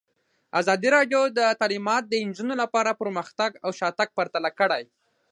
ازادي راډیو د تعلیمات د نجونو لپاره پرمختګ او شاتګ پرتله کړی.